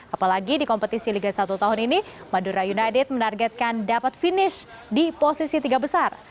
apalagi di kompetisi liga satu tahun ini madura united menargetkan dapat finish di posisi tiga besar